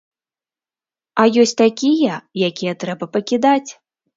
А ёсць такія, якія трэба пакідаць.